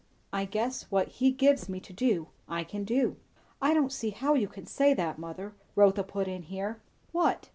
I guess, what he gives me to do, I can do." "I don't see how you can say that, mother," Rotha put in here. "What?"